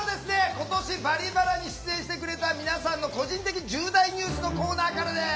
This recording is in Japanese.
今年「バリバラ」に出演してくれた皆さんの「個人的重大ニュース」のコーナーからです。